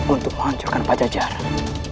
untuk hancurkan pajajaran